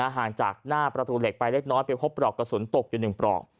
ห่างจากหน้าประตูเหล็กไปเล็กน้อยไปพบปลอกกระสุนตกอยู่๑ปลอก